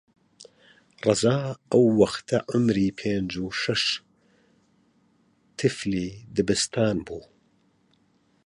ڕەزا ئەو وەختە عومری پێنج و شەش تیفلی دەبستان بوو